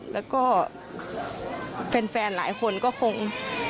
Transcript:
แล้วก็แฟนหลายคนก็คง